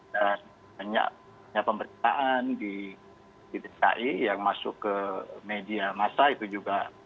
dan banyak pemberitaan di dki yang masuk ke media massa itu juga berpengaruh